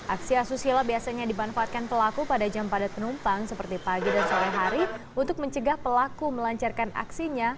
aksi asusila biasanya dimanfaatkan pelaku pada jam padat penumpang seperti pagi dan sore hari untuk mencegah pelaku melancarkan aksinya